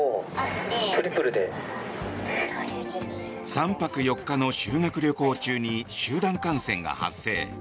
３泊４日の修学旅行中に集団感染が発生。